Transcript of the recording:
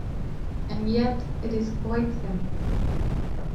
And yet it is quite simple.